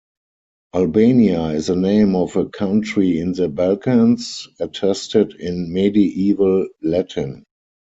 Albania is the name of a country in the Balkans, attested in Medieval Latin.